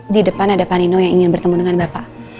di depan ada panino yang ingin bertemu dengan bapak